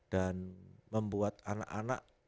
dan membuat anak anak